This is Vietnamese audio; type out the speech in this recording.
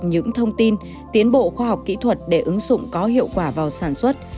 những thông tin tiến bộ khoa học kỹ thuật để ứng dụng có hiệu quả vào sản xuất